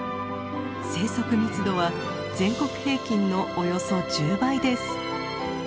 生息密度は全国平均のおよそ１０倍です。